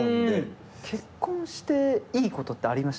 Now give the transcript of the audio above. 結婚していいことってありました？